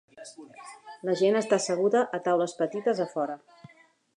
La gent està asseguda a taules petites a fora.